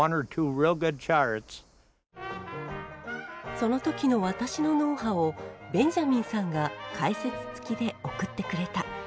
その時の私の脳波をベンジャミンさんが解説付きで送ってくれた。